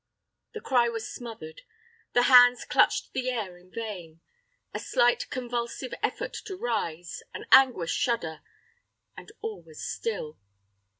The cry was smothered; the hands clutched the air in vain: a slight convulsive effort to rise, an aguish shudder, and all was still.